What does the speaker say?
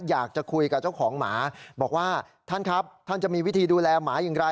อยากจะคุยกับเจ้าของหมาบอกว่าท่านครับท่านจะมีวิธีดูแลหมาอย่างไร